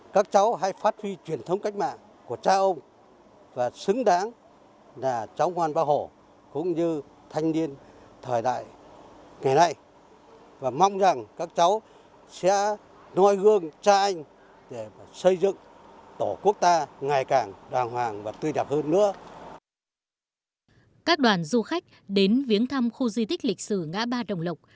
các đoàn du khách đến viếng thăm khu di tích lịch sử ngã ba đồng lộc